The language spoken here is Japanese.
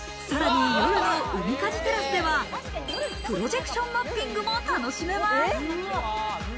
さらに夜のウミカジテラスでは、プロジェクションマッピングも楽しめます。